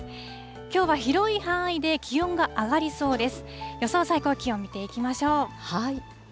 きょうは広い範囲で気温が上がりそうです。